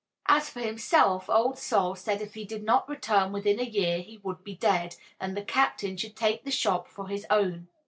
As for himself, Old Sol said if he did not return within a year he would be dead, and the captain should take the shop for his own.